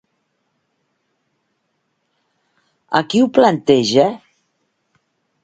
A qui ho planteja?